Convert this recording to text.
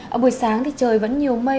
ở buổi sáng thì trời vẫn nhiều mây